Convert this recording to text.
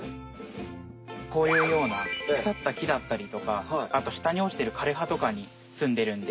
こういうようなくさった木だったりとかあとしたに落ちてるかれ葉とかにすんでるんで。